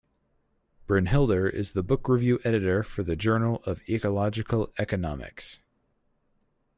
Brynhildur is the book review editor for the journal of "Ecological Economics".